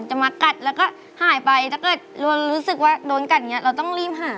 มากัดแล้วก็หายไปถ้าเกิดรู้สึกว่าโดนกัดอย่างนี้เราต้องรีบหา